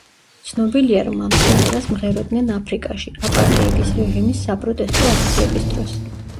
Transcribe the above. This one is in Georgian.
ცნობილია, რომ ამ სიმღერას მღეროდნენ აფრიკაში, აპარტეიდის რეჟიმის საპროტესტო აქციების დროს.